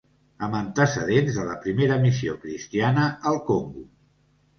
Amb antecedents de la primera missió cristiana al Congo.